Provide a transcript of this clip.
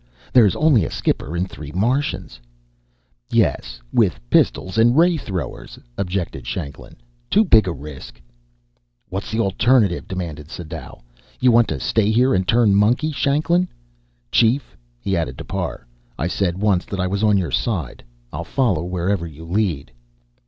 "There's only a skipper and three Martians " "Yes, with pistols and ray throwers," objected Shanklin. "Too big a risk." "What's the alternative?" demanded Sadau. "You want to stay here and turn monkey, Shanklin? Chief," he added to Parr, "I said once that I was on your side. I'll follow wherever you lead."